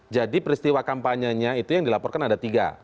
jadi peristiwa kampanye nya itu yang dilaporkan ada tiga